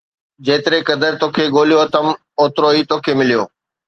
جيتري قدر توکي ڳولهيو اٿم، اوترو ئي توکي مليو